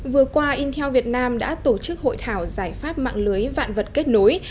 vừa qua intel việt nam đã tổ chức hội thảo giải pháp mạng lưới vạn vật kết nối